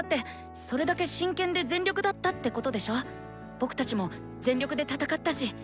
僕たちも全力で戦ったし。